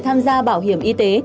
để cho người tham gia bảo hiểm y tế